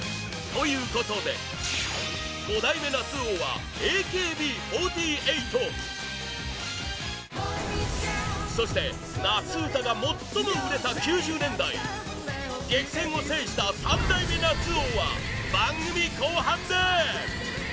ということで五代目夏王はＡＫＢ４８そして、夏うたが最も売れた９０年代激戦を制した三代目夏王は番組後半で！